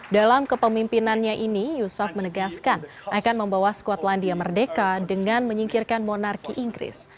dalam kepemimpinannya ini yusof menegaskan akan membawa skotlandia merdeka dengan menyingkirkan monarki inggris